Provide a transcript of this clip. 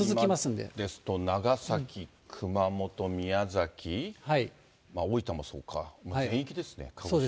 今ですと、長崎、熊本、宮崎、大分もそうか、全域ですね、鹿児島。